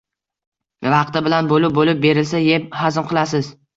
Vaqti bilan, bo‘lib-bo‘lib berilsa, yeb, hazm qilasiz.